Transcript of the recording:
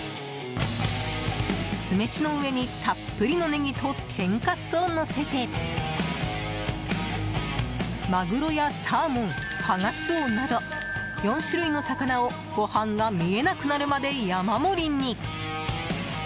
酢飯の上にたっぷりのネギと天かすをのせてマグロやサーモン、ハガツオなど４種類の魚をご飯が見えなくなるまで山盛りに。